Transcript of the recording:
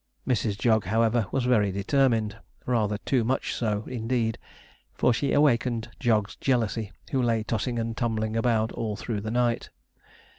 Mrs. Jog, however, was very determined; rather too much so, indeed, for she awakened Jog's jealousy, who lay tossing and tumbling about all through the night.